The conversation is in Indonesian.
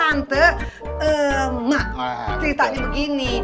tante emak ceritanya begini